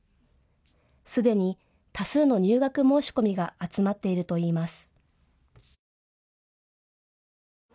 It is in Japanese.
すでに多数の入学申し込みが集まっているといいます。